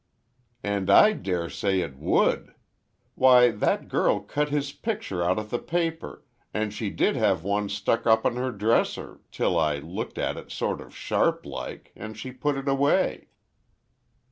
"And I daresay it would! Why, that girl cut his picture out of the paper, and she did have one stuck up on her dresser, till I looked at it sort of sharp like, and she put it away."